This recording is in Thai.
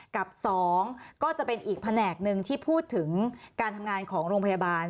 กับ๒ก็จะเป็นอีกแผนกหนึ่งที่พูดถึงการทำงานของโรงพยาบาล